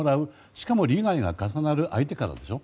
しかも利害が重なる相手からでしょ？